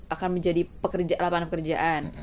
akan menjadi lapangan pekerjaan